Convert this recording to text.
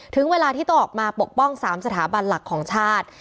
ถึงเวลาที่ต้องออกมาปกป้อง๓สถาบันหลักของชาติ